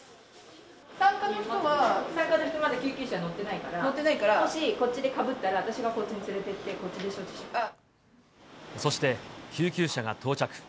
産科の人は、救急車に乗ってないから、もしこっちでかぶったら、私がこっちで連れてって、そして救急車が到着。